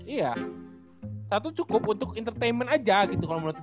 iya satu cukup untuk entertainment aja gitu kalau menurutku